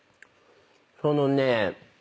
そのね。